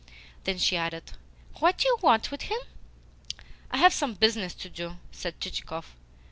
Then she added: "What do you want with him?" "I have some business to do," said Chichikov.